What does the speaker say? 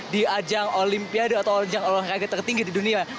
di ajang olimpiade atau ajang olahraga tertinggi di dunia